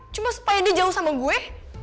cuma supaya dia jauh sama gue